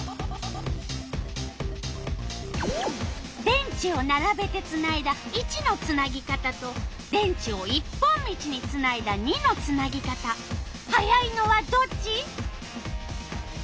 電池をならべてつないだ①のつなぎ方と電池を一本道につないだ②のつなぎ方速いのはどっち？